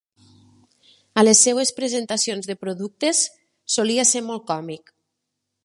A les seves presentacions de productes, solia ser molt còmic.